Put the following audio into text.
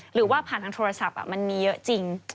หรือว่าผ่านทางโทรศัพท์มันมีเยอะจริง